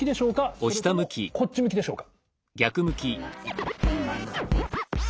それともこっち向きでしょうか？